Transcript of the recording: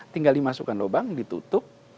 tinggal dimasukkan lubang ditutup